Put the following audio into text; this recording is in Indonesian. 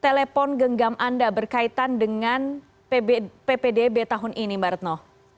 telepon genggam anda berkaitan dengan ppdb tahun ini mbak retno